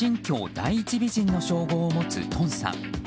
第一美人の称号を持つトンさん。